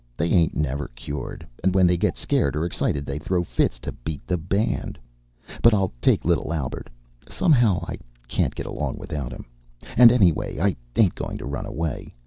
They ain't never cured, and when they get scared or excited they throw fits to beat the band. But I'll take little Albert. Somehow I can't get along without him. And anyway, I ain't going to run away.